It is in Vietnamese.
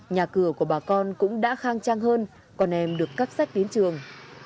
nhà cửa của bà con cũng đã khang trang hơn con em được cắt sách đến trường